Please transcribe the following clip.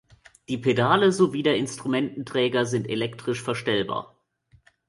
Die Pedale sowie der Instrumententräger sind elektrisch verstellbar.